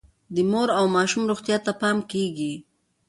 د مور او ماشوم روغتیا ته پام کیږي.